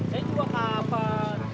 saya juga kapan